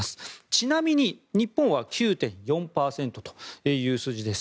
ちなみに日本は９．４％という数字です。